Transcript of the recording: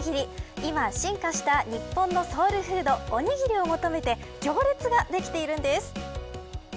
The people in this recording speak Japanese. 今、進化した日本のソウルフードおにぎりを求めて行列ができているんです。